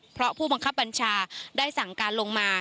เพราะผู้บังคับบัญชาได้สั่งการลงมา